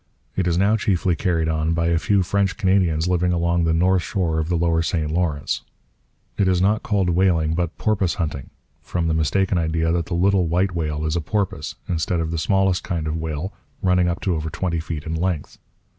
It is now chiefly carried on by a few French Canadians living along the north shore of the lower St Lawrence. It is not called whaling but porpoise hunting, from the mistaken idea that the little white whale is a porpoise, instead of the smallest kind of whale, running up to over twenty feet in length.